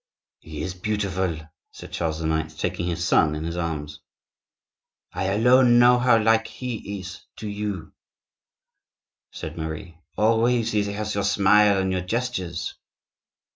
"He is beautiful!" said Charles IX., taking his son in his arms. "I alone know how like he is to you," said Marie; "already he has your smile and your gestures."